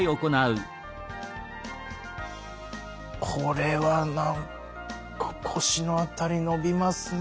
これは何か腰の辺り伸びますね。